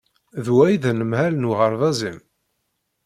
D wa i d anemhal n uɣerbaz-im?